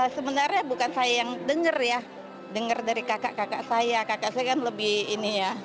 sebenarnya bukan saya yang dengar ya dengar dari kakak kakak saya kakak saya kan lebih ini ya